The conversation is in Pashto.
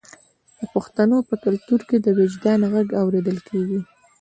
د پښتنو په کلتور کې د وجدان غږ اوریدل کیږي.